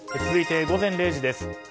続いて午前０時です。